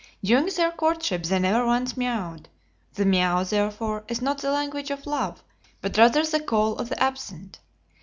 During their courtship they never once miowed: the miow, therefore, is not the language of love, but rather the call of the absent.